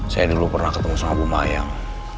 saya dulu pernah ketemu sama bu mayang